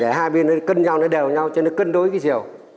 hai bên nó cân nhau nó đều nhau cho nó cân đối cái rìu